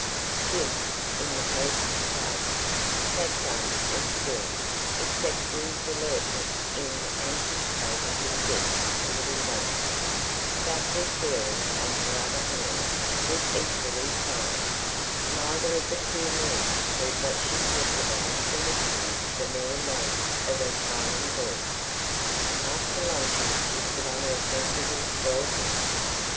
Jim, in the host's place, sat dumb and still, except for his alertness in anticipating his guest's little wants. Guthrie Carey, on her other hand, was equally silent. Neither of the two men heard what she talked about for listening to the mere notes of her charming voice. After luncheon she put on her sensible straw hat.